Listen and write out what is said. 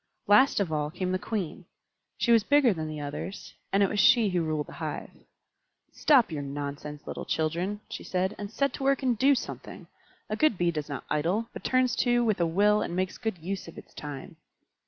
Last of all came the Queen. She was bigger than the others, and it was she who ruled the hive. "Stop your nonsense, little children," she said, "and set to work and do something. A good Bee does not idle, but turns to with a will and makes good use of its time."